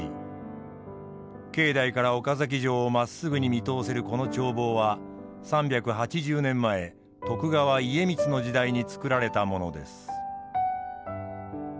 境内から岡崎城をまっすぐに見通せるこの眺望は３８０年前徳川家光の時代につくられたものです。